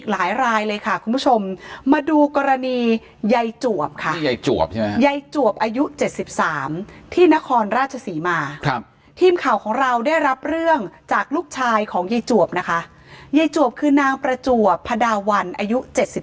ลูกชายของยบวนนะคะยบวนคือนางประจวบพระดาวันอายุ